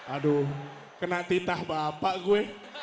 aduh kena titah bapak gue